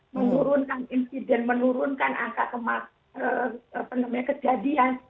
menurunkan insiden menurunkan angka kejadian